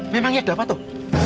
memangnya ada apa tuh